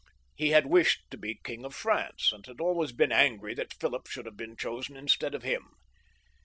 He had wished to be King of France, and had always been angry that Philip should have been chosen instead of him.